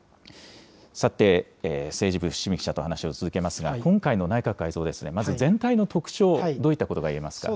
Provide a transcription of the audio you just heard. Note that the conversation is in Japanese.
さて、政治部、伏見記者と話を続けますが、今回の内閣改造ですが、まず全体の特徴、どういったことがいえますか。